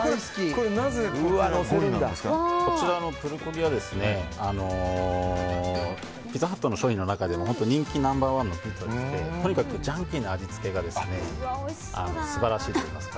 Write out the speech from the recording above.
こちらのプルコギはピザハットの商品の中でも人気ナンバー１のピザでしてとにかくジャンキーな味付けが素晴らしいと思います。